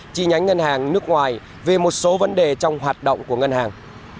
chi nhánh ngân hàng nước ngoài về một số vấn đề trong hoạt động của ngân hàng